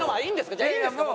じゃあいいんですか？